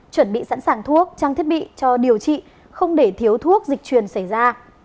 chuẩn bị sẵn sàng thuốc trang thiết bị cho điều trị không để thiếu thuốc dịch truyền xảy ra